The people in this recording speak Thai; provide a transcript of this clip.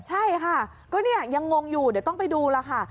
ใช่ค่ะก็เนี่ยยังงงอยู่เดี๋ยวต้องไปดูล่ะค่ะ